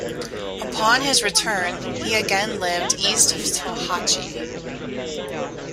Upon his return, he again lived east of Tohatchi.